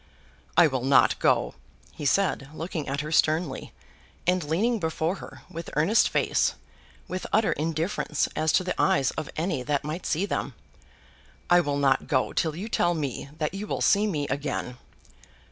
"I will not go," he said, looking at her sternly, and leaning before her, with earnest face, with utter indifference as to the eyes of any that might see them. "I will not go till you tell me that you will see me again."